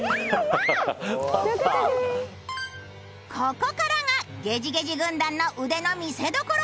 ここからがゲジゲジ軍団の腕の見せどころ。